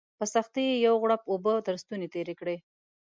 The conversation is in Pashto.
په سختۍ یې یو غوړپ اوبه تر ستوني تېري کړې